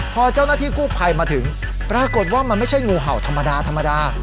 พอเจ้าหน้าที่กู้ภัยมาถึงปรากฏว่ามันไม่ใช่งูเห่าธรรมดาธรรมดา